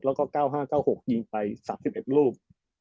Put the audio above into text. แล้วก็๙๕๙๖ยิงไป๓๑ลูก